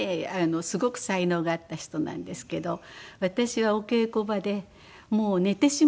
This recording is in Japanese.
すごく才能があった人なんですけど私はお稽古場でもう寝てしまうんです。